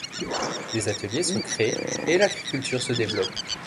Des ateliers sont créés et l'agriculture se développe.